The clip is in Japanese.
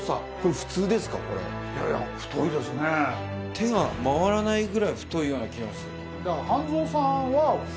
手が回らないぐらい太いような気がする。